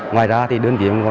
ngoài ra thì đơn vị